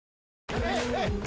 はい！